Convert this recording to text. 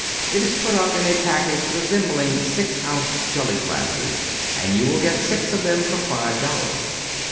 It is put up in a package resembling six ounce jelly glasses, and you will get six of them for five dollars.